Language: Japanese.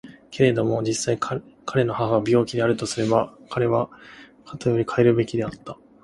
けれども実際彼の母が病気であるとすれば彼は固より帰るべきはずであった。